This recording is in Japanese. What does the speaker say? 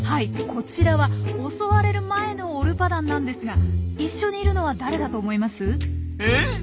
こちらは襲われる前のオルパダンなんですが一緒にいるのは誰だと思います？え？